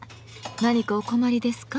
何かお困りですか？